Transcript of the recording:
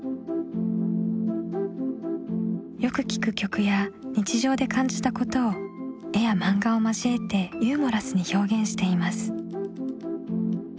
よく聴く曲や日常で感じたことを絵や漫画を交えてユーモラスに表現しています。